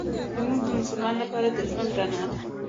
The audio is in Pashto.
لمونځ د مسلمان لپاره د ژوند رڼا ده